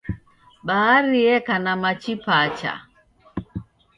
Bahari yeka na machi pacha.